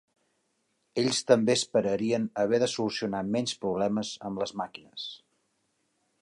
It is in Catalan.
Ells també esperarien haver de solucionar menys problemes amb les màquines.